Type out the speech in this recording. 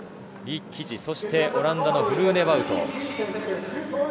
そしてオランダのフルーネバウト。